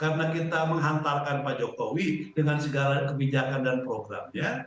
karena kita menghantarkan pak jokowi dengan segala kebijakan dan programnya